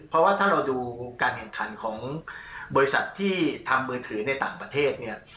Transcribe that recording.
เพราะว่าถ้าเราดูการแข่งขันของบริษัทที่ทำมือถือในต่างประเทศเนี่ย